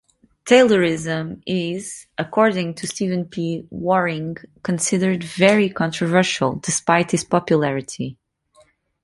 Taylorism is, according to Stephen P. Waring, considered very controversial, despite its popularity.